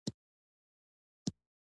د لوبیا قورمه افغانان خوښوي.